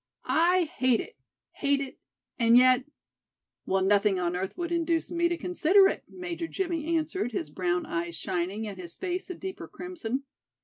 I hate it, hate it, and yet—" "Well, nothing on earth would induce me to consider it," Major Jimmie answered, his brown eyes shining and his face a deeper crimson.